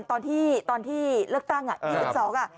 ตอนที่เลือกตั้ง๒๒น